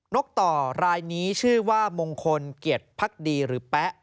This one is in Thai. กต่อรายนี้ชื่อว่ามงคลเกียรติพักดีหรือแป๊ะ